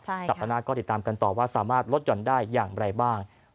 สัปดาห์หน้าก็ติดตามกันต่อว่าสามารถลดหย่อนได้อย่างไรบ้าง